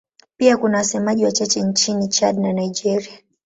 Pia kuna wasemaji wachache nchini Chad na Nigeria.